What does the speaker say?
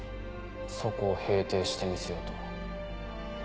そこを平定してみせよと。